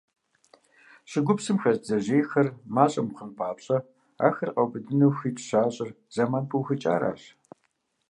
ЩӀыгупсхэм хэс бдзэжьейхэр мащӀэ мыхъун папщӀэ, ахэр къаубыдыну хуит щащӀыр зэман пыухыкӀахэрщ.